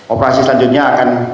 operasi selanjutnya akan